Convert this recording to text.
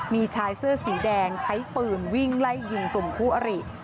มีชายเสื้อสีแดงใช้ปืนวิ่งไล่ยิงกลุ่มคู่อริ